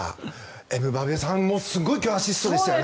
エムバペさんもすごいアシストでしたね。